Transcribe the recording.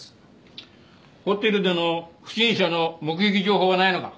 ホテルでの不審者の目撃情報はないのか？